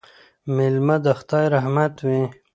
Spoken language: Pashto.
مېلمه د خدای رحمت وي